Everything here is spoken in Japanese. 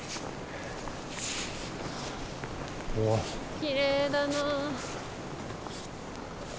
きれいだな。